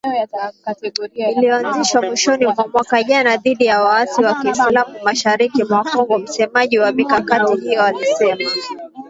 iliyoanzishwa mwishoni mwa mwaka jana dhidi ya waasi wa kiislam mashariki mwa Kongo msemaji wa mikakati hiyo alisema